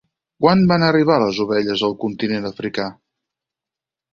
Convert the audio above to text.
Quan van arribar les ovelles al continent africà?